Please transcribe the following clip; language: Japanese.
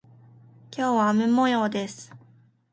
今日は雨模様です。